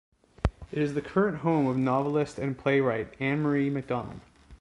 It is the current home of novelist and playwright Ann-Marie MacDonald.